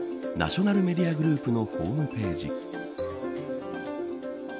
ナショナルメディアグループのホームページ。